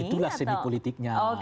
itulah seni politiknya